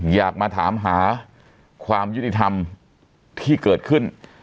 อยากมาถามหาความยุติธรรมที่เกิดขึ้น